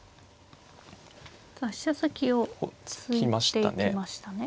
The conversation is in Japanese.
飛車先を突いていきましたね。